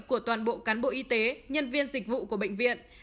của toàn bộ cán bộ y tế nhân viên dịch vụ của bệnh viện